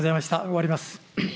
終わります。